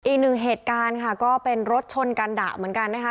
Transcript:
อีกหนึ่งเหตุการณ์ค่ะก็เป็นรถชนกันดะเหมือนกันนะคะ